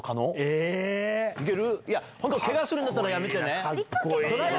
ケガするんだったらやめてね。